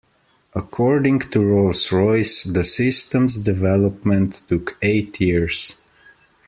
According to Rolls Royce, the system's development took eight years.